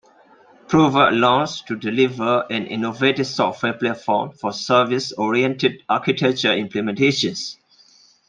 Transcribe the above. Prova allows to deliver an innovative software platform for Service-oriented architecture implementations.